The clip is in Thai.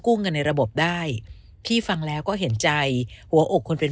เงินในระบบได้พี่ฟังแล้วก็เห็นใจหัวอกคนเป็น